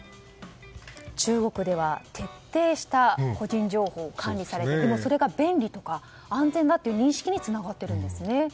中国では徹底した個人情報が管理されていてそれが便利とか安全だという認識につながってるんですね。